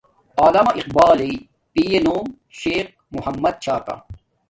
علامہ اقبال یݵ پیے نوم شیخ محمد چھا کا